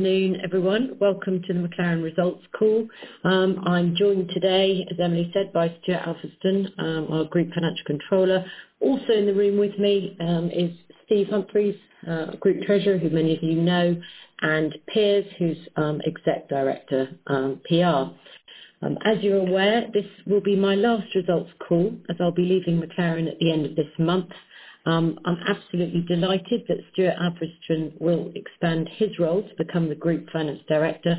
Good afternoon, everyone. Welcome to the McLaren results call. I'm joined today, as Emily said, by Stuart Alfredson, our group financial controller. Also in the room with me, is Steve Humphreys, group treasurer, who many of you know, and Piers, who's exec director, PR. As you're aware, this will be my last results call, as I'll be leaving McLaren at the end of this month. I'm absolutely delighted that Stuart Alfredson will expand his role to become the group finance director.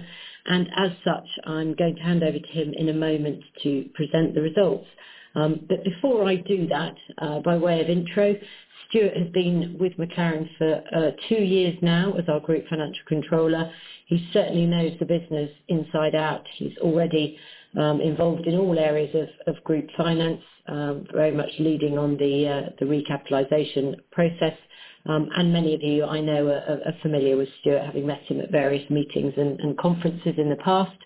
As such, I'm going to hand over to him in a moment to present the results. Before I do that, by way of intro, Stuart has been with McLaren for 2 years now as our group financial controller. He certainly knows the business inside out. He's already involved in all areas of group finance, very much leading on the recapitalization process. Many of you, I know, are familiar with Stuart, having met him at various meetings and conferences in the past.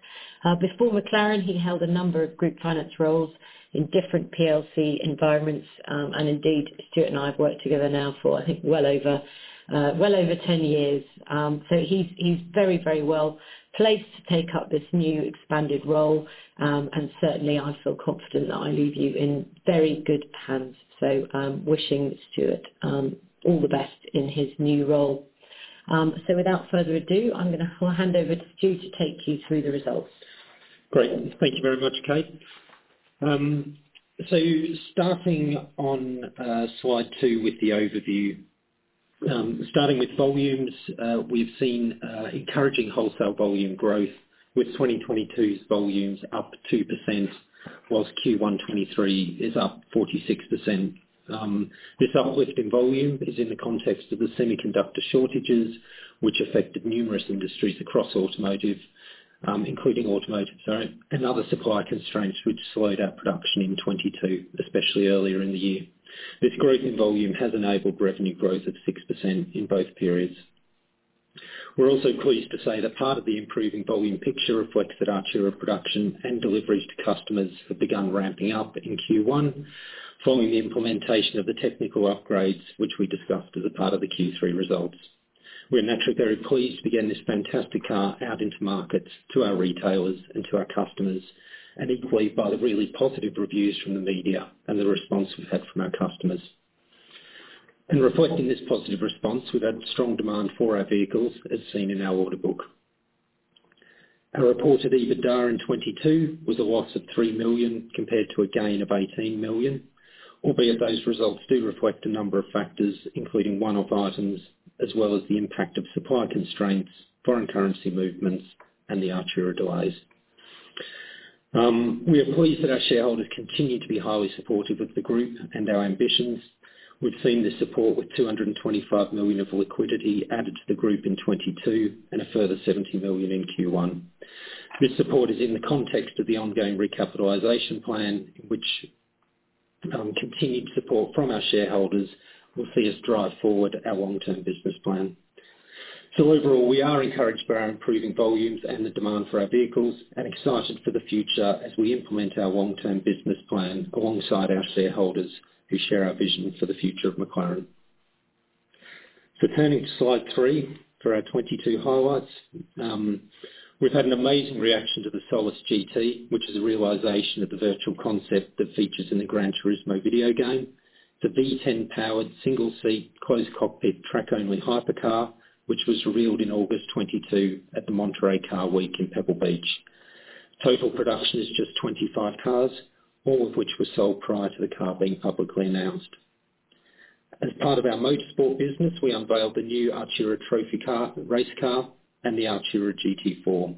Before McLaren, he held a number of group finance roles in different PLC environments, indeed, Stuart and I have worked together now for, I think, well over 10 years. He's very, very well placed to take up this new expanded role. Certainly, I feel confident that I leave you in very good hands. Wishing Stuart all the best in his new role. Without further ado, I'm gonna hand over to Stu to take you through the results. Great. Thank you very much, Kate. Starting on slide 2 with the overview. Starting with volumes, we've seen encouraging wholesale volume growth with 2022's volumes up 2%, whilst Q1 2023 is up 46%. This uplift in volume is in the context of the semiconductor shortages, which affected numerous industries across automotive, including automotive, sorry, and other supply constraints which slowed our production in 2022, especially earlier in the year. This growth in volume has enabled revenue growth of 6% in both periods. We're also pleased to say that part of the improving volume picture reflects that Artura production and deliveries to customers have begun ramping up in Q1, following the implementation of the technical upgrades, which we discussed as a part of the Q3 results. We're naturally very pleased to get this fantastic car out into markets, to our retailers and to our customers, equally by the really positive reviews from the media and the response we've had from our customers. Reflecting this positive response, we've had strong demand for our vehicles, as seen in our order book. Our reported EBITDA in 2022 was a loss of 3 million, compared to a gain of 18 million, albeit those results do reflect a number of factors, including one-off items, as well as the impact of supply constraints, foreign currency movements, and the Artura delays. We are pleased that our shareholders continue to be highly supportive of the Group and our ambitions. We've seen this support with 225 million of liquidity added to the Group in 2022 and a further 70 million in Q1. This support is in the context of the ongoing recapitalization plan, which, continued support from our shareholders will see us drive forward our long-term business plan. Overall, we are encouraged by our improving volumes and the demand for our vehicles and excited for the future as we implement our long-term business plan alongside our shareholders, who share our vision for the future of McLaren. Turning to slide three for our 2022 highlights. We've had an amazing reaction to the Solus GT, which is a realization of the virtual concept that features in the Gran Turismo video game. The V10-powered, single-seat, closed-cockpit, track-only hypercar, which was revealed in August 2022 at the Monterey Car Week in Pebble Beach. Total production is just 25 cars, all of which were sold prior to the car being publicly announced. As part of our motorsport business, we unveiled the new Artura Trophy car, race car, and the Artura GT4.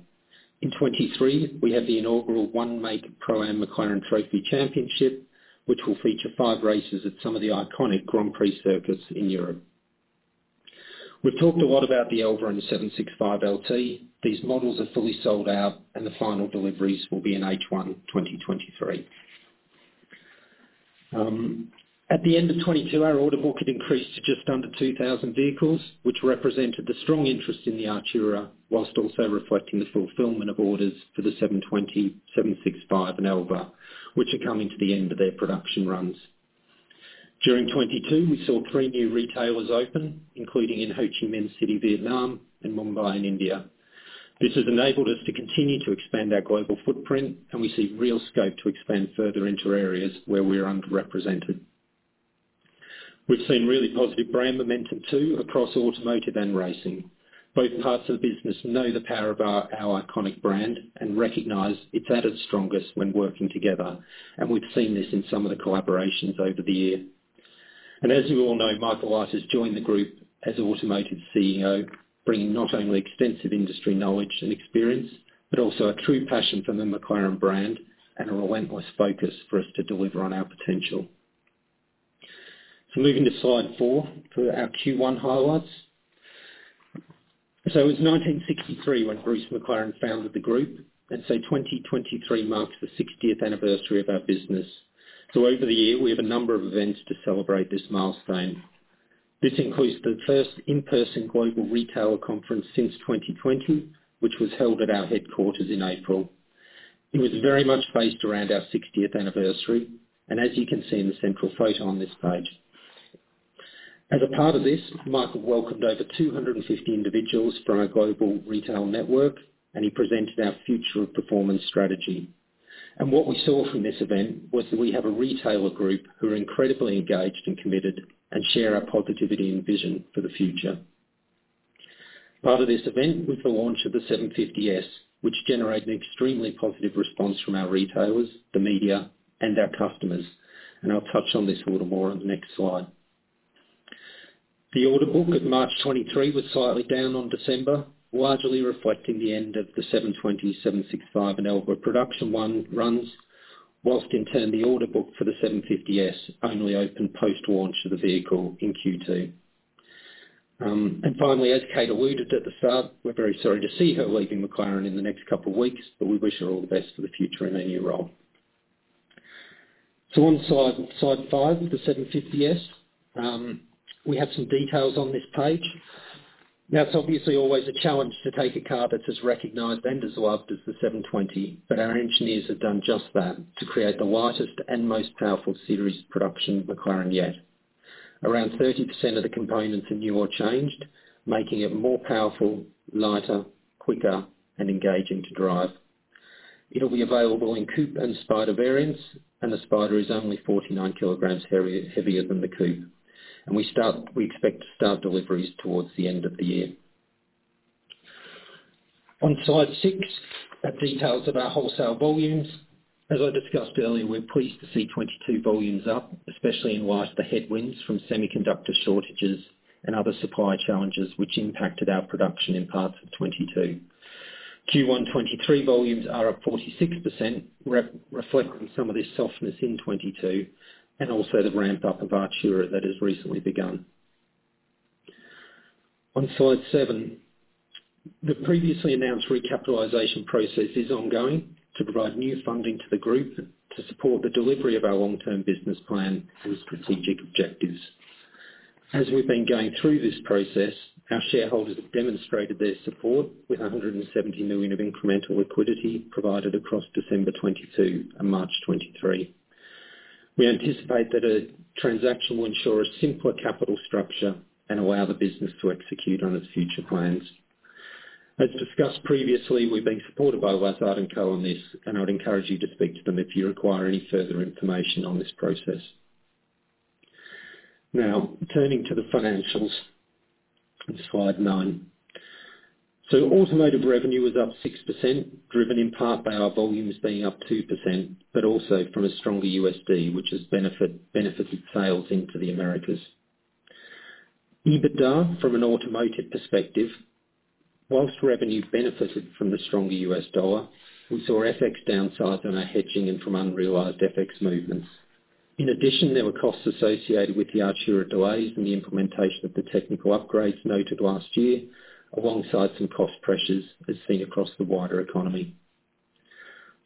In 2023, we have the inaugural one-make Pro-Am McLaren Trophy Championship, which will feature 5 races at some of the iconic Grand Prix circuits in Europe. We've talked a lot about the Elva and the 765LT. These models are fully sold out, and the final deliveries will be in H1 2023. At the end of 2022, our order book had increased to just under 2,000 vehicles, which represented the strong interest in the Artura, whilst also reflecting the fulfillment of orders for the 720S, 765, and Elva, which are coming to the end of their production runs. During 2022, we saw 3 new retailers open, including in Ho Chi Minh City, Vietnam, and Mumbai in India. This has enabled us to continue to expand our global footprint, we see real scope to expand further into areas where we're underrepresented. We've seen really positive brand momentum, too, across automotive and racing. Both parts of the business know the power of our iconic brand and recognize it's at its strongest when working together. We've seen this in some of the collaborations over the year. As you all know, Michael Leiters has joined the group as interim CEO, bringing not only extensive industry knowledge and experience, but also a true passion for the McLaren brand and a relentless focus for us to deliver on our potential. Moving to slide four for our Q1 highlights. It was 1963 when Bruce McLaren founded the group, and so 2023 marks the sixtieth anniversary of our business. Over the year, we have a number of events to celebrate this milestone. This includes the first in-person global retailer conference since 2020, which was held at our headquarters in April. It was very much based around our 60th anniversary, as you can see in the central photo on this page. As a part of this, Mike welcomed over 250 individuals from our global retail network, and he presented our future of performance strategy. What we saw from this event was that we have a retailer group who are incredibly engaged and committed and share our positivity and vision for the future. Part of this event was the launch of the 750S, which generated an extremely positive response from our retailers, the media, and our customers. I'll touch on this a little more on the next slide. The order book at March 23 was slightly down on December, largely reflecting the end of the 720S, 765LT, and Elva production runs, whilst intent, the order book for the 750S only opened post-launch of the vehicle in Q2. Finally, as Kate alluded at the start, we're very sorry to see her leaving McLaren in the next couple of weeks, but we wish her all the best for the future in her new role. On slide 5, with the 750S, we have some details on this page. It's obviously always a challenge to take a car that's as recognized and as loved as the 720S, but our engineers have done just that to create the lightest and most powerful series production McLaren yet. Around 30% of the components are new or changed, making it more powerful, lighter, quicker, and engaging to drive. It'll be available in coupe and spider variants, the spider is only 49 kg heavier than the coupe. We expect to start deliveries towards the end of the year. On slide six are details of our wholesale volumes. As I discussed earlier, we're pleased to see 2022 volumes up, especially in light of the headwinds from semiconductor shortages and other supply challenges which impacted our production in parts of 2022. Q1 2023 volumes are up 46%, reflecting some of this softness in 2022 and also the ramp-up of Artura that has recently begun. On slide 7, the previously announced recapitalization process is ongoing to provide new funding to the group to support the delivery of our long-term business plan and strategic objectives. As we've been going through this process, our shareholders have demonstrated their support with 170 million of incremental liquidity provided across December 2022 and March 2023. We anticipate that a transaction will ensure a simpler capital structure and allow the business to execute on its future plans. As discussed previously, we've been supported by Westward & Co on this, and I would encourage you to speak to them if you require any further information on this process. Turning to the financials on slide 9. Automotive revenue was up 6%, driven in part by our volumes being up 2%, but also from a stronger USD, which has benefited sales into the Americas. EBITDA from an automotive perspective, whilst revenue benefited from the stronger US dollar, we saw FX downsides on our hedging and from unrealized FX movements. In addition, there were costs associated with the Artura delays and the implementation of the technical upgrades noted last year, alongside some cost pressures as seen across the wider economy.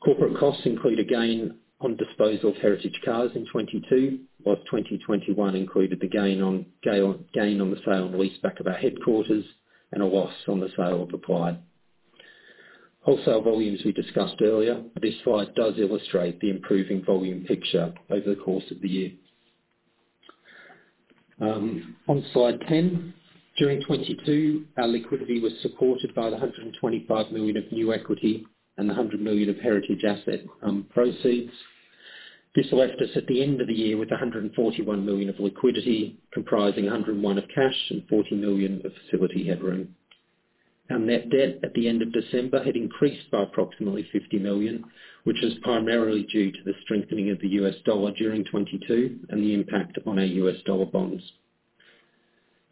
Corporate costs include a gain on disposal of heritage cars in 2022, whilst 2021 included the gain on gain on the sale and leaseback of our headquarters and a loss on the sale of Applied. Wholesale volumes we discussed earlier. This slide does illustrate the improving volume picture over the course of the year. On slide 10, during 2022, our liquidity was supported by the 125 million of new equity and the 100 million of heritage asset proceeds. This left us at the end of the year with 141 million of liquidity, comprising 101 of cash and 40 million of facility headroom. Our net debt at the end of December had increased by approximately 50 million, which was primarily due to the strengthening of the US dollar during 2022 and the impact on our US dollar bonds.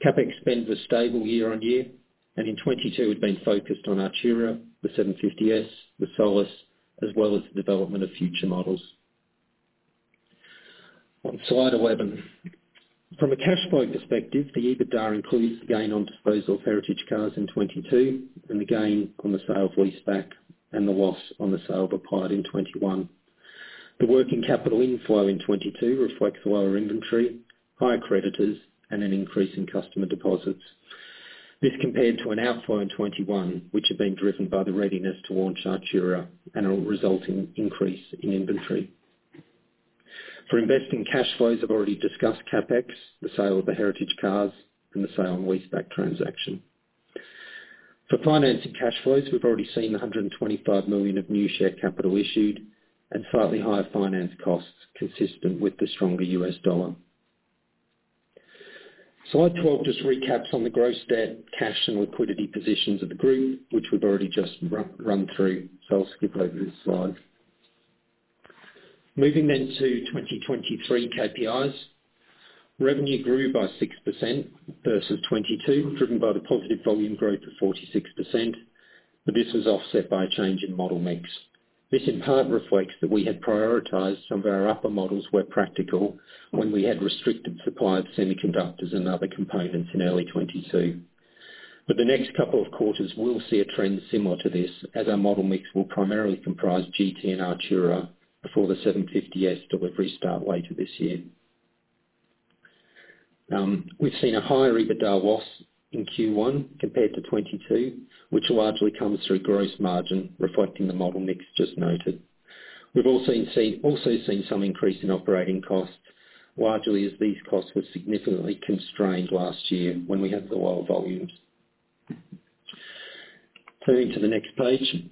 CapEx spend was stable year-over-year, and in 2022 has been focused on Artura, the 750S, the Solus, as well as the development of future models. On slide 11, from a cash flow perspective, the EBITDA includes the gain on disposal of heritage cars in 2022 and the gain on the sale of leaseback and the loss on the sale of Applied in 2021. The working capital inflow in 2022 reflects lower inventory, higher creditors, and an increase in customer deposits. This compared to an outflow in 2021, which had been driven by the readiness to launch Artura and a resulting increase in inventory. For investing cash flows, I've already discussed CapEx, the sale of the heritage cars, and the sale and leaseback transaction. For financing cash flows, we've already seen $125 million of new share capital issued and slightly higher finance costs consistent with the stronger US dollar. Slide 12 just recaps on the gross debt, cash, and liquidity positions of the group, which we've already just run through. I'll skip over this slide. Moving to 2023 KPIs. Revenue grew by 6% versus 2022, driven by the positive volume growth of 46%. This was offset by a change in model mix. This in part reflects that we had prioritized some of our upper models where practical when we had restricted supply of semiconductors and other components in early 2022. For the next couple of quarters, we'll see a trend similar to this as our model mix will primarily comprise GT and Artura before the 750S delivery start later this year. We've seen a higher EBITDA loss in Q1 compared to 2022, which largely comes through gross margin, reflecting the model mix just noted. We've also seen some increase in operating costs, largely as these costs were significantly constrained last year when we had lower volumes. Turning to the next page.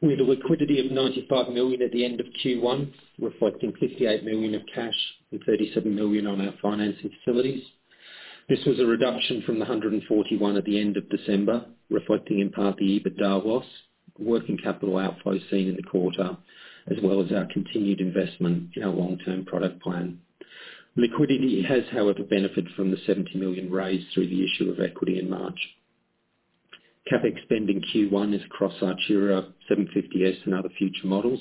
We have a liquidity of 95 million at the end of Q1, reflecting 58 million of cash and 37 million on our financing facilities. This was a reduction from 141 million at the end of December, reflecting in part the EBITDA loss, working capital outflows seen in the quarter, as well as our continued investment in our long-term product plan. Liquidity has, however, benefited from the 70 million raised through the issue of equity in March. CapEx spend in Q1 is across Artura, 750S and other future models.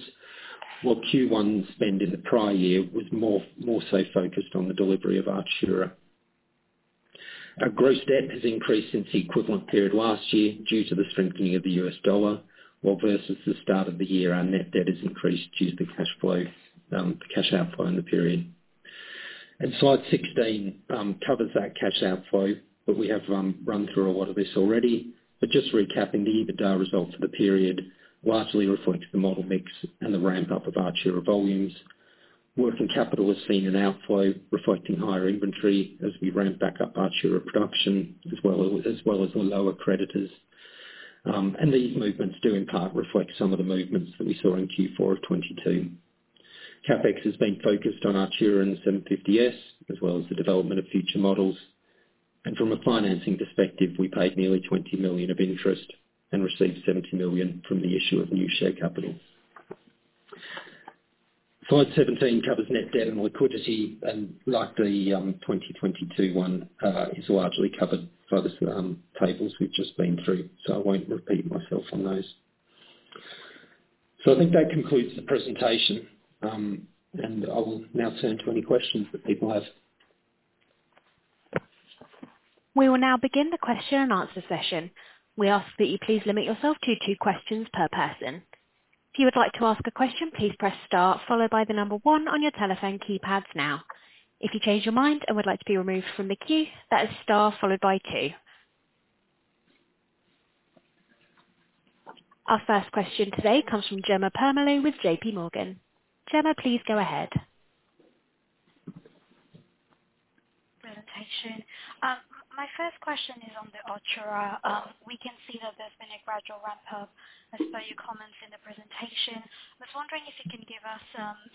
While Q1 spend in the prior year was more so focused on the delivery of Artura. Our gross debt has increased since the equivalent period last year due to the strengthening of the US dollar, while versus the start of the year, our net debt has increased due to cash flow, cash outflow in the period. Slide 16 covers that cash outflow, we have run through a lot of this already. Just recapping the EBITDA results for the period largely reflect the model mix and the ramp-up of Artura volumes. Working capital has seen an outflow reflecting higher inventory as we ramp back up Artura production as well as the lower creditors. These movements do in part reflect some of the movements that we saw in Q4 of 2022. CapEx has been focused on Artura and 750S as well as the development of future models. From a financing perspective, we paid nearly 20 million of interest and received 70 million from the issue of new share capital. Slide 17 covers net debt and liquidity and like the 2022 one, is largely covered by the tables we've just been through, I won't repeat myself on those. I think that concludes the presentation, and I will now turn to any questions that people have. We will now begin the question and answer session. We ask that you please limit yourself to two questions per person. If you would like to ask a question, please press star followed by one on your telephone keypads now. If you change your mind and would like to be removed from the queue, that is star followed by 2. Our first question today comes from Jemma Permalloo with JP Morgan. Gemma, please go ahead. Presentation. My first question is on the Artura. We can see that there's been a gradual ramp up, as per your comments in the presentation. I was wondering if you can give us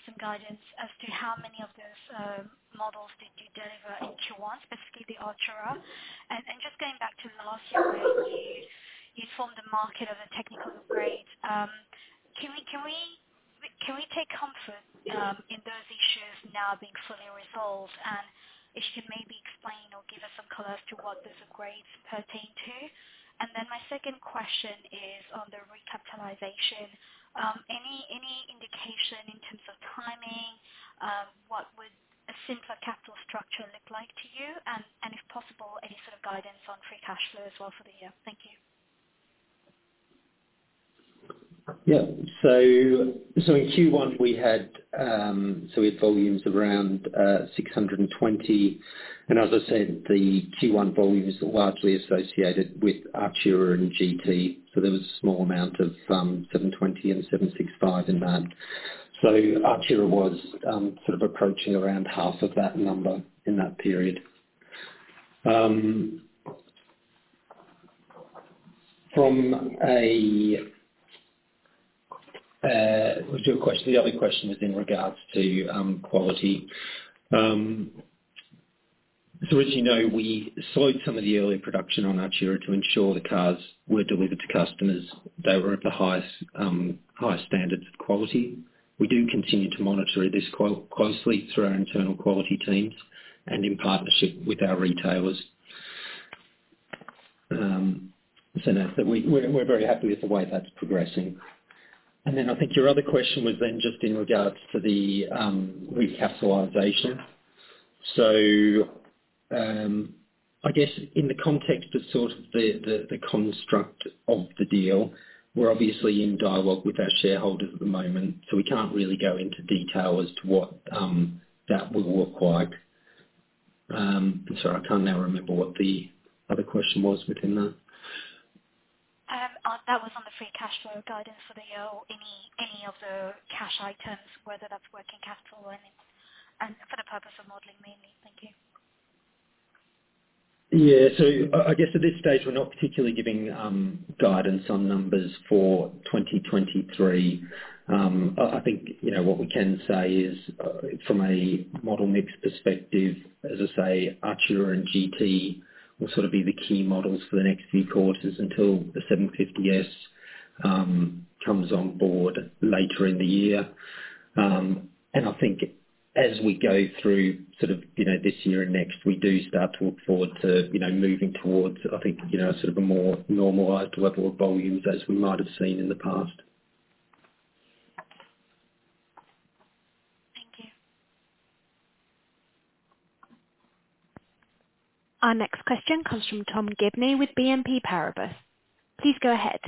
some guidance as to how many of those models did you deliver in Q1, specifically Artura? Just going back to last year where you'd formed the market of a technical grade. Can we take comfort in those issues now being fully resolved? If you maybe explain or give us some color as to what those grades pertain to. My second question is on the recapitalization. Any indication in terms of timing? What would a simpler capital structure look like to you? If possible, any sort of guidance on free cash flow as well for the year? Thank you. Yeah. In Q1 we had volumes around 620. As I said, the Q1 volumes are largely associated with Artura and GT. There was a small amount of 720 and 765 in that. Artura was sort of approaching around half of that number in that period. We'll do a question. The other question is in regards to quality. As you know, we slowed some of the early production on Artura to ensure the cars were delivered to customers, they were at the highest standards of quality. We do continue to monitor this closely through our internal quality teams and in partnership with our retailers. That's it. We're very happy with the way that's progressing. I think your other question was just in regards to the recapitalization. I guess in the context of sort of the construct of the deal, we're obviously in dialogue with our shareholders at the moment, so we can't really go into detail as to what that would look like. I'm sorry I can't now remember what the other question was within that. That was on the free cash flow guidance for the year or any of the cash items, whether that's working capital or anything, and for the purpose of modeling mainly. Thank you. I guess at this stage we're not particularly giving guidance on numbers for 2023. I think, you know, what we can say is from a model mix perspective, as I say, Artura and GT will sort of be the key models for the next few quarters until the 750S comes on board later in the year. I think as we go through sort of, you know, this year and next, we do start to look forward to, you know, moving towards, I think, you know, sort of a more normalized level of volumes as we might have seen in the past. Thank you. Our next question comes from Tom Gibney with BNP Paribas. Please go ahead.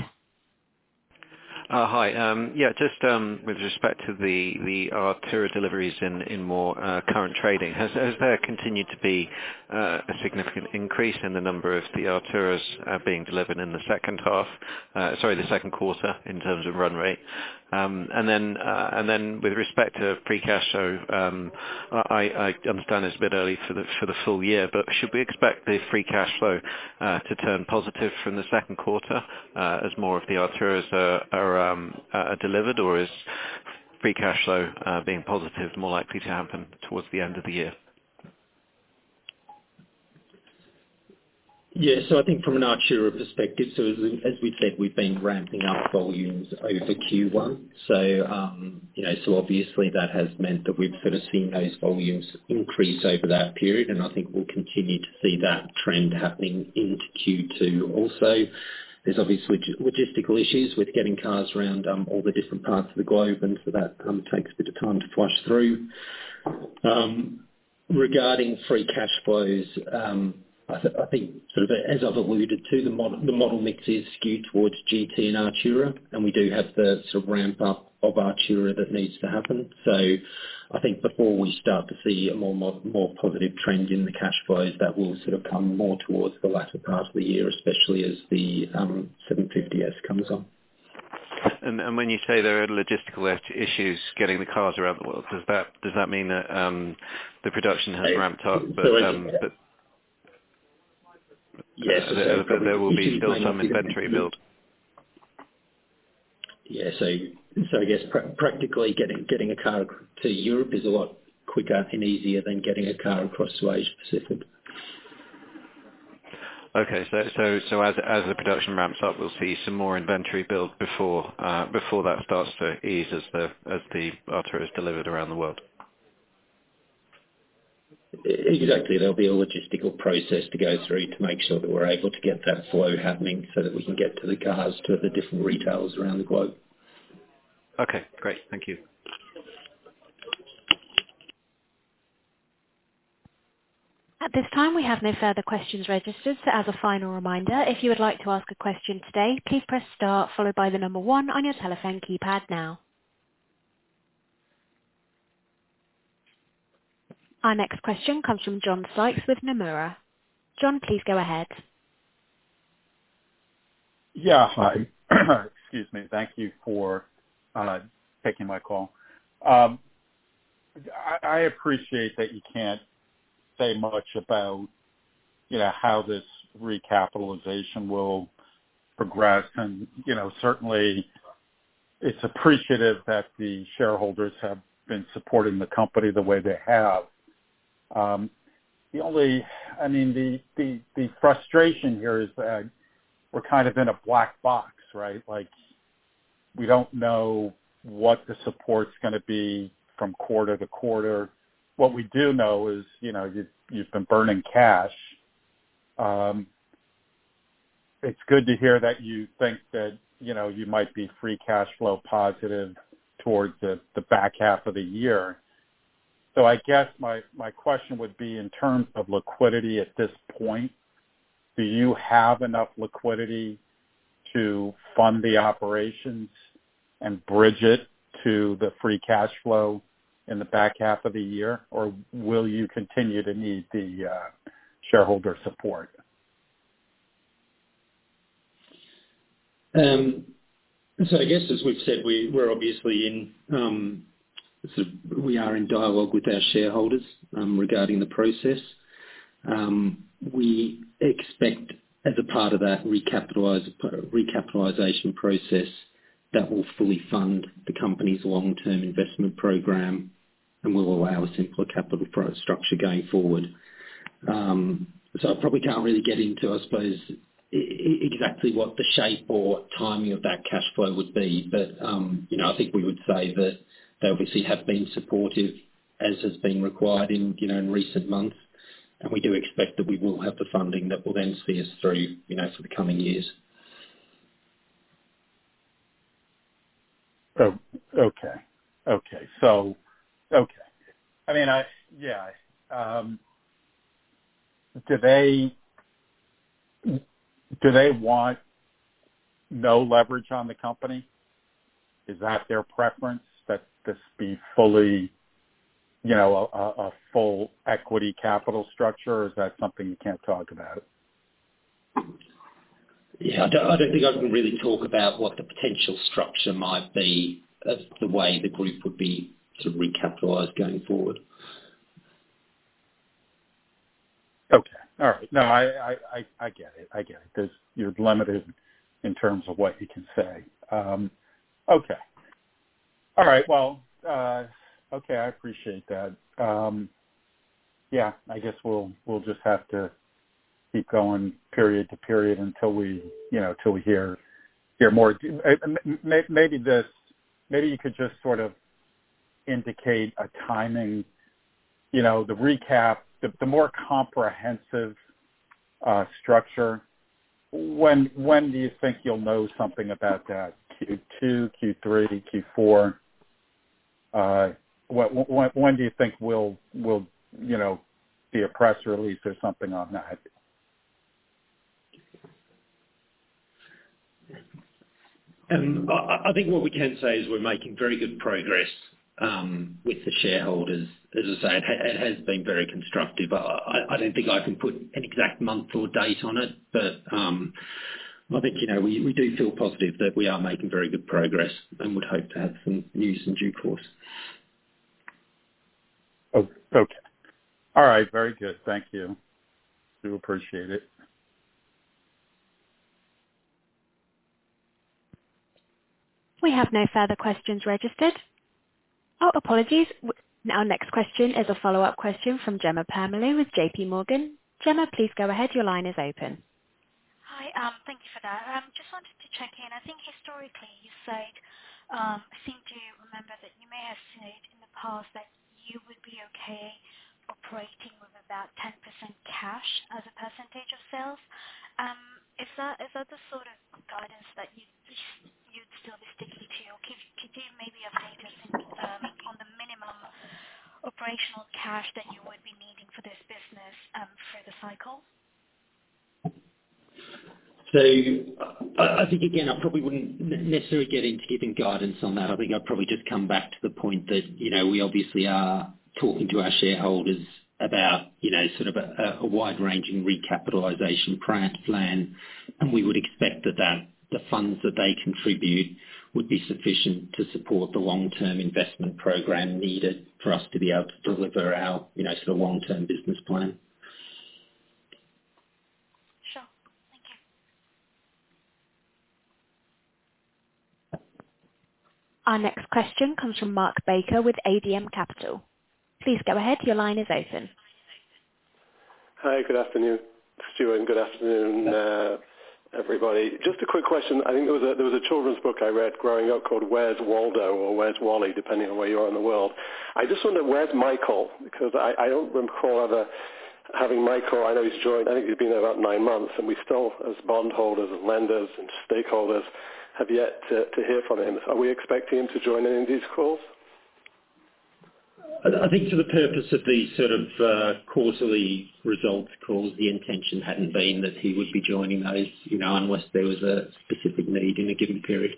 Hi. Yeah, just with respect to the Artura deliveries in more current trading. Has there continued to be a significant increase in the number of the Arturas being delivered in the second half? Sorry, the second quarter in terms of run rate. With respect to free cash flow, I understand it's a bit early for the full year, but should we expect the free cash flow to turn positive from the second quarter, as more of the Arturas are delivered, or is free cash flow being positive more likely to happen towards the end of the year? I think from an Artura perspective, as we've said, we've been ramping up volumes over Q1. You know, obviously that has meant that we've sort of seen those volumes increase over that period, and I think we'll continue to see that trend happening into Q2 also. There's obviously logistical issues with getting cars around all the different parts of the globe, and so that takes a bit of time to flush through. Regarding free cash flows, I think sort of as I've alluded to, the model mix is skewed towards GT and Artura, and we do have the sort of ramp up of Artura that needs to happen. I think before we start to see a more positive trend in the cash flows, that will sort of come more towards the latter part of the year, especially as the 750S comes on. When you say there are logistical issues getting the cars around the world, does that mean that the production has ramped up? Yes. That there will be still some inventory build? Yeah. I guess practically, getting a car to Europe is a lot quicker and easier than getting a car across to Asia Pacific. As the production ramps up, we'll see some more inventory build before that starts to ease as the Artura is delivered around the world. Exactly. There'll be a logistical process to go through to make sure that we're able to get that flow happening so that we can get to the cars, to the different retailers around the globe. Okay, great. Thank you. At this time, we have no further questions registered. As a final reminder, if you would like to ask a question today, please press star followed by one on your telephone keypad now. Our next question comes from John Sykes with Nomura. John, please go ahead. Hi. Excuse me. Thank you for taking my call. I appreciate that you can't say much about, you know, how this recapitalization will progress. Certainly it's appreciative that the shareholders have been supporting the company the way they have. I mean, the frustration here is that we're kind of in a black box, right? Like, we don't know what the support's gonna be from quarter to quarter. What we do know is, you know, you've been burning cash. It's good to hear that you think that, you know, you might be free cash flow positive towards the back half of the year. I guess my question would be in terms of liquidity at this point, do you have enough liquidity to fund the operations and bridge it to the free cash flow in the back half of the year? Or will you continue to need the shareholder support? I guess as we've said, we're obviously in dialogue with our shareholders regarding the process. We expect as a part of that recapitalization process that will fully fund the company's long-term investment program and will allow a simpler capital structure going forward. I probably can't really get into, I suppose, exactly what the shape or timing of that cash flow would be. You know, I think we would say that they obviously have been supportive as has been required in, you know, in recent months. We do expect that we will have the funding that will then see us through, you know, for the coming years. Okay. Okay, I mean, Yeah. Do they want no leverage on the company? Is that their preference that this be fully, you know, a full equity capital structure, or is that something you can't talk about? Yeah. I don't think I can really talk about what the potential structure might be as to the way the group would be to recapitalize going forward. Okay. All right. No, I get it. I get it. There's, you're limited in terms of what you can say. Okay. All right. Well, okay, I appreciate that. Yeah, I guess we'll just have to keep going period to period until we, you know, till we hear more. Maybe this, maybe you could just sort of indicate a timing, you know, the recap, the more comprehensive structure. When do you think you'll know something about that? Q2, Q3, Q4? When do you think we'll, you know, see a press release or something on that? I think what we can say is we're making very good progress with the shareholders. As I say, it has been very constructive. I don't think I can put an exact month or date on it, but, I think, you know, we do feel positive that we are making very good progress and would hope to have some news in due course. Okay. All right. Very good. Thank you. Do appreciate it. We have no further questions registered. Oh, apologies. Our next question is a follow-up question from Jemma Permalloo with JP Morgan. Gemma, please go ahead. Your line is open. Hi. Thank you for that. Just wanted to check in. I think historically you said, I seem to remember that you may have said in the past that you would be okay operating with about 10% cash as a percentage of sales. Is that the sort of guidance that you'd still be sticking to? Or could you maybe update us on the minimum operational cash that you would be needing for this business through the cycle? I think, again, I probably wouldn't necessarily get into giving guidance on that. I think I'd probably just come back to the point that, you know, we obviously are talking to our shareholders about, you know, sort of a wide-ranging recapitalization plan, and we would expect that the funds that they contribute would be sufficient to support the long-term investment program needed for us to be able to deliver our, you know, sort of long-term business plan. Sure. Thank you. Our next question comes from Mark Baker with ADM Capital. Please go ahead. Your line is open. Hi, good afternoon, Stuart, and good afternoon, everybody. Just a quick question. I think there was a children's book I read growing up called Where's Waldo? or Where's Wally?, depending on where you are in the world. I just wonder where's Michael, because I don't recall ever having Michael. I know he's joined I think he's been there about nine months, and we still, as bondholders and lenders and stakeholders, have yet to hear from him. Are we expecting him to join in these calls? I think for the purpose of these sort of quarterly results calls, the intention hadn't been that he would be joining those, you know, unless there was a specific need in a given period.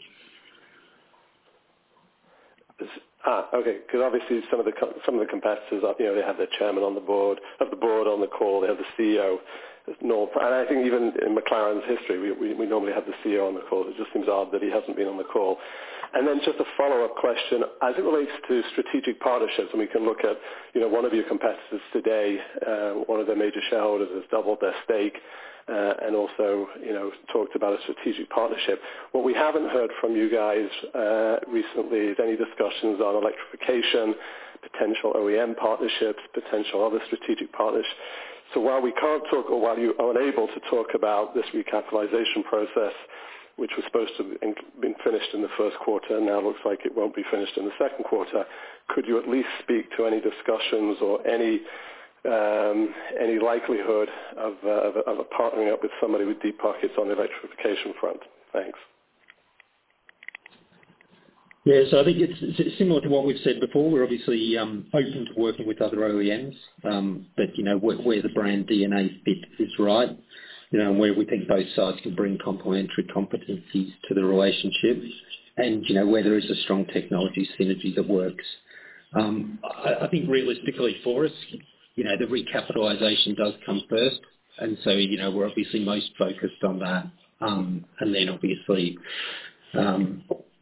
Okay, 'cause obviously some of the competitors, you know, they have their chairman on the board, have the board on the call, they have the CEO. You know, I think even in McLaren's history, we normally have the CEO on the call. It just seems odd that he hasn't been on the call. Just a follow-up question. As it relates to strategic partnerships, and we can look at, you know, one of your competitors today, one of their major shareholders has doubled their stake, and also, you know, talked about a strategic partnership. What we haven't heard from you guys recently is any discussions on electrification, potential OEM partnerships, potential other strategic partners. While we can't talk or while you are unable to talk about this recapitalization process, which was supposed to be been finished in the first quarter, now looks like it won't be finished in the second quarter, could you at least speak to any discussions or any likelihood of partnering up with somebody with deep pockets on the electrification front? Thanks. Yeah. I think it's similar to what we've said before. We're obviously open to working with other OEMs, but you know, where the brand DNA fit is right, you know, and where we think both sides can bring complementary competencies to the relationship and, you know, where there is a strong technology synergy that works. I think realistically for us, you know, the recapitalization does come first, you know, we're obviously most focused on that. Then obviously,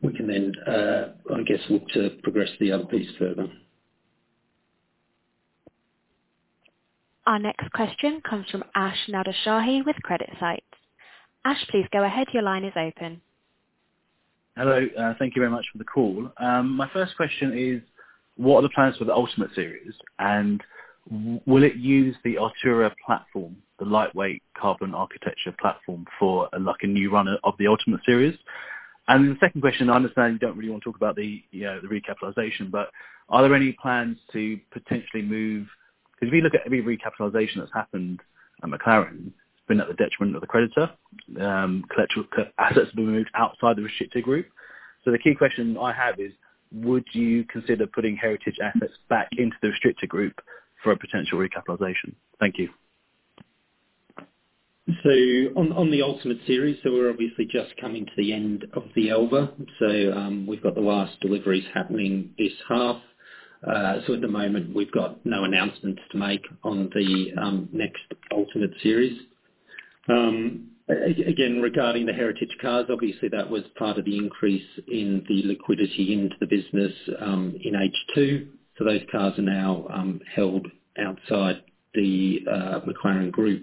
we can then, I guess, look to progress the other piece further. Our next question comes from Ash Nadershahi with CreditSights. Ash, please go ahead. Your line is open. Hello. Thank you very much for the call. My first question is, what are the plans for the Ultimate Series, and will it use the Artura platform, the lightweight carbon architecture platform, for, like, a new runner of the Ultimate Series? The second question, I understand you don't really wanna talk about the, you know, the recapitalization, but are there any plans to potentially move, cause if you look at every recapitalization that's happened at McLaren, it's been at the detriment of the creditor. Assets have been removed outside the restricted group. The key question I have is, would you consider putting heritage assets back into the restricted group for a potential recapitalization? Thank you. On the Ultimate Series, we're obviously just coming to the end of the Elva. We've got the last deliveries happening this half. At the moment, we've got no announcements to make on the next Ultimate Series. Again, regarding the heritage cars, obviously that was part of the increase in the liquidity into the business in H2. Those cars are now held outside the McLaren Group.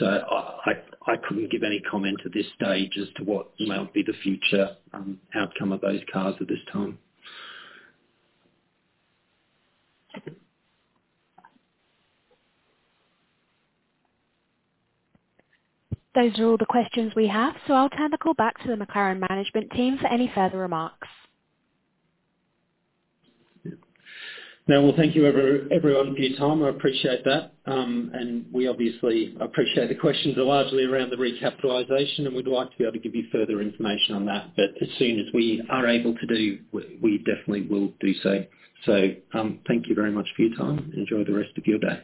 I couldn't give any comment at this stage as to what might be the future outcome of those cars at this time. Those are all the questions we have, so I'll turn the call back to the McLaren management team for any further remarks. No, well, thank you everyone for your time. I appreciate that. We obviously appreciate the questions are largely around the recapitalization, and we'd like to be able to give you further information on that, but as soon as we are able to do, we definitely will do so. Thank you very much for your time. Enjoy the rest of your day.